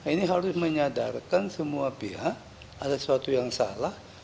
ini harus menyadarkan semua pihak ada sesuatu yang salah